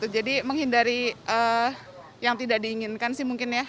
jadi menghindari yang tidak diinginkan sih mungkin ya